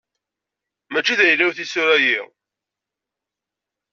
Mačči d ayla-w tisura-yi.